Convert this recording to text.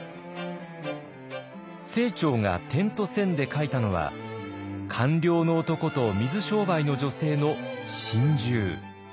清張が「点と線」で書いたのは官僚の男と水商売の女性の心中。